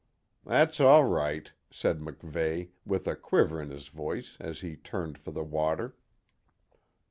"That's all right," said MacVeigh, with a quiver in his voice, as he turned for the water.